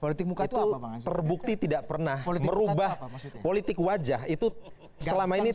itu terbukti tidak pernah merubah politik wajah itu selama ini tidak